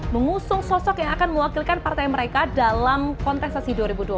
mengusung sosok yang akan mewakilkan partai mereka dalam kontestasi dua ribu dua puluh